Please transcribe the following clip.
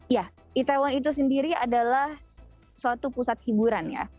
ya itaewon itu sendiri adalah suatu pusat hiburan ya